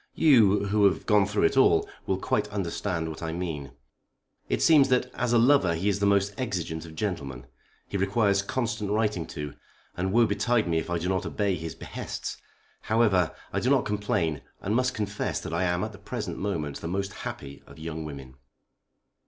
You, who have gone through it all, will quite understand what I mean. It seems that as a lover he is the most exigeant of gentlemen. He requires constant writing to, and woe betide me if I do not obey his behests. However, I do not complain, and must confess that I am at the present moment the most happy of young women."